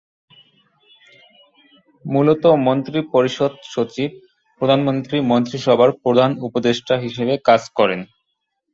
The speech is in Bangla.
মূলত মন্ত্রিপরিষদ সচিব প্রধানমন্ত্রী/মন্ত্রিসভার প্রধান উপদেষ্টা হিসেবে কাজ করেন।